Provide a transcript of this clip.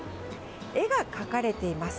絵が描かれています。